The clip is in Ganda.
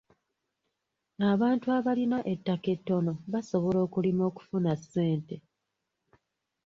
Abantu abalina ettaka ettono basobola okulima okufuna ssente.